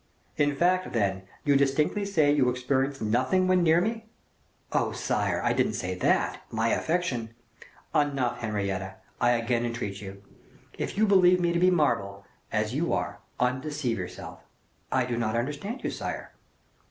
"In fact, then, you distinctly say you experience nothing when near me." "Oh, sire! I don't say that my affection " "Enough, Henrietta, I again entreat you. If you believe me to be marble, as you are, undeceive yourself." "I do not understand you, sire."